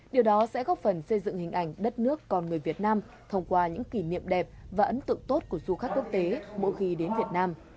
điều đó sẽ góp phần xây dựng hình ảnh đất nước con người việt nam thông qua những kỷ niệm đẹp và ấn tượng tốt của du khách quốc tế mỗi khi đến việt nam